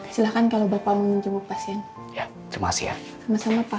silahkan kalau bapak mau jemput pasien ya terima kasih ya sama sama pak